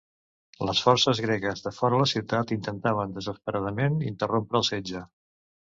Les forces gregues de fora la ciutat intentaven desesperadament interrompre el setge.